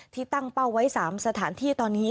ตั้งเป้าไว้๓สถานที่ตอนนี้